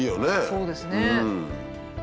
そうですね。